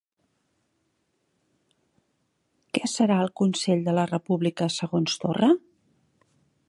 Què serà el Consell de la República segons Torra?